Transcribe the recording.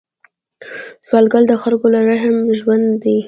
سوالګر د خلکو له رحم ژوندی دی